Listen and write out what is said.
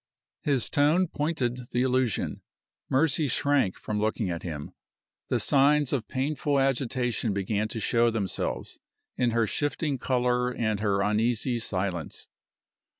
His tone pointed the allusion. Mercy shrank from looking at him. The signs of painful agitation began to show themselves in her shifting color and her uneasy silence.